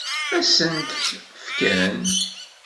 Ad sen-t-fken?